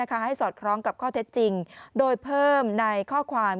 สอดคล้องกับข้อเท็จจริงโดยเพิ่มในข้อความ